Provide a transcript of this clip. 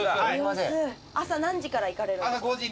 朝何時から行かれるんですか？